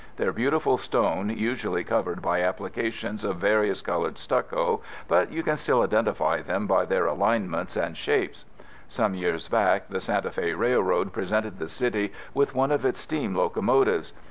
Their beautiful stone is usually covered by applications of various colored stucco, but you can still identify them by their alignments and shapes. Some years back the Santa Fe Railroad presented the City with one of its steam locomotives.